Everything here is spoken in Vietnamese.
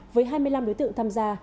với hai mươi năm đối tượng tham gia